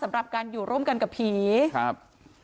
สำหรับการอยู่ร่วมกันกับผีครับ